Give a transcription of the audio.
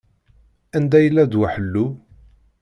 Anda yella ddwa ḥellu?